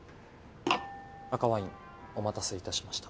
赤ワインお待たせいたしました。